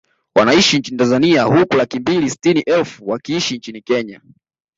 Wanaishi nchini Tanzania huku laki mbili na sitini elfu wakiishi nchini Kenya